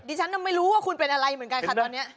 ฉันไม่รู้ว่าคุณเป็นอะไรเหมือนกันค่ะตอนนี้